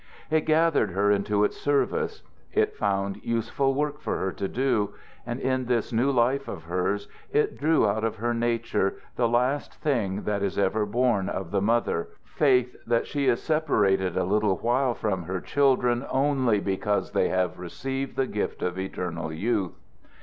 It gathered her into its service; it found useful work for her to do; and in this new life of hers it drew out of her nature the last thing that is ever born of the mother faith that she is separated a little while from her children only because they have received the gift of eternal youth.